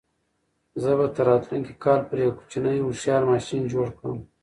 زه به تر راتلونکي کال پورې یو کوچنی هوښیار ماشین جوړ کړم.